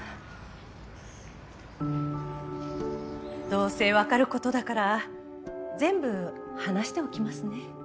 どうせわかる事だから全部話しておきますね。